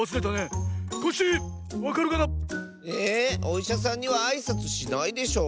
おいしゃさんにはあいさつしないでしょ？